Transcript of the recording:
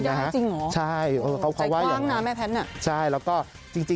ไม่ได้จริงเหรอใจกว้างนะแม่แพทย์น่ะใช่เขาเขาว่าอย่างนั้น